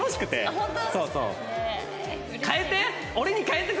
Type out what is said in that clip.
変えて！